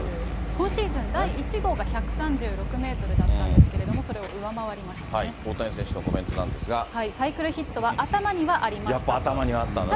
今シーズン第１号が１３６メートルだったんですけれども、そ大谷選手のコメントなんですサイクルヒットは頭にはありやっぱ頭にはあったんだね。